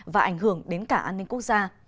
và ảnh hưởng đến cả an ninh quốc gia